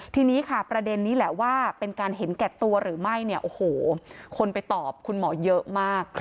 ทีนี้ค่ะประเด็นนี้แหละว่าเป็นการเห็นแก่ตัวหรือไม่เนี่ยโอ้โหคนไปตอบคุณหมอเยอะมาก